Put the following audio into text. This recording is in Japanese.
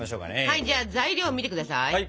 はいじゃあ材料を見て下さい！